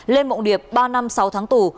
lê mộng điệp ba năm sáu tháng tù